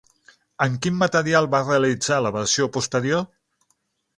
En quin material va realitzar la versió posterior?